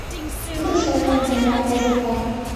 Тудо шолемым конда, озыркан.